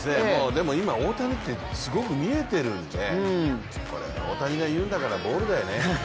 でも今、大谷ってすごく見えてるんでこれ、大谷が言うんだからボールだよね。